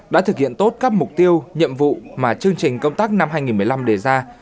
đã thực hiện tốt các mục tiêu nhiệm vụ mà chương trình công tác năm hai nghìn một mươi năm đề ra